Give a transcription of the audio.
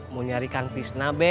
mau nyarikan fisna be